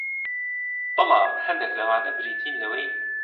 بەڵام هەندێک لەوانە بریتین لەوەی